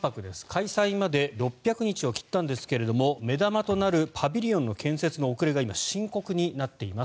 開催まで６００日を切ったんですが目玉となるパビリオンの建設の遅れが今、深刻になっています。